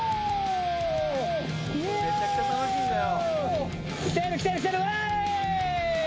めちくゃくちゃ楽しいんだよ。